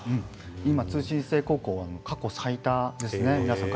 今、通信制高校、過去最多です。